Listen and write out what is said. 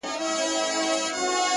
• کنې دوى دواړي ويدېږي ورځ تېرېږي؛